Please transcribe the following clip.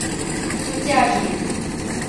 Сутяжник!..